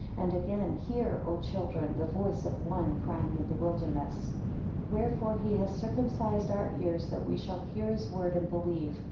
And again, Hear O children! The voice of one crying in the wilderness. 6 Wherefore he has circumcised our ears, that we should hear his word, and believe.